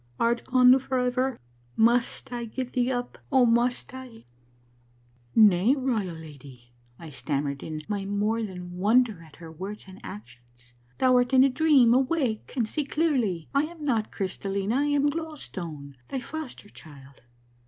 Art gone forever? Must I give thee up, oh, must I?' "' Nay, Royal Lady,' I stammered in my more than wonder at her words and actions. ' Thou art in a dream. Awake, and see clearly ; I am not Crystallina. I am Glow Stone, thy foster child.